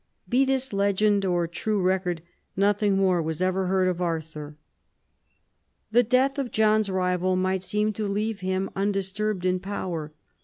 Be this legend or true record, nothing more was ever heard of Arthur. The death of John's rival might seem to leave him undisturbed in power.